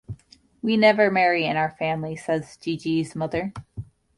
"We never marry in our family", says Gigi's mother.